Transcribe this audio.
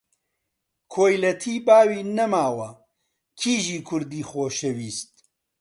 کۆیلەتی باوی نەماوە، کیژی کوردی خۆشەویست!